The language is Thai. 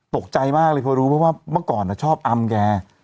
ตกใจมากเลยเพราะรู้เพราะว่าเมื่อก่อนชอบอำแก